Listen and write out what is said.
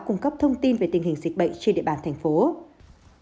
cung cấp thông tin về tình hình dịch bệnh trên địa bàn tp hcm